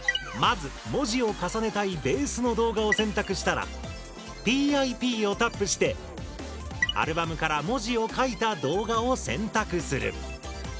まず文字を重ねたいベースの動画を選択したら「ＰＩＰ」をタップしてアルバムから文字を書いた動画を選択する。